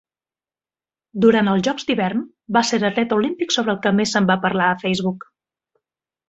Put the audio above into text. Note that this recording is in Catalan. Durant els jocs d'hivern, va ser l'atleta olímpic sobre el que més se'n va parlar a Facebook.